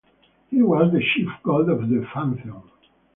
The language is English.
He was the chief god of the pantheon.